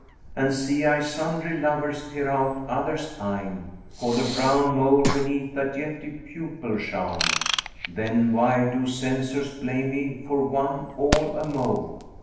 And see I sundry lovers tear out others' eyne * For the brown mole beneath that jetty pupil shown, Then why do censors blame me for one all a mole?